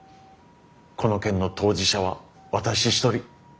この件の当事者は私一人。